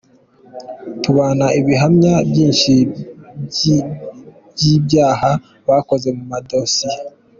Tubona ibihamya byinshi by’ ibyaha bakoze mu madosiye’.